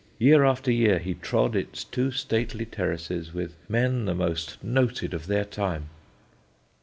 Year after year he trod its two stately terraces with men the most noted of their time."